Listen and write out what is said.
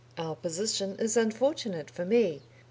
Our position is unfortunate for me.